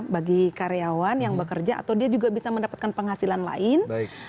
bagi karyawan yang bekerja atau dia juga bisa mendapatkan penghasilan lain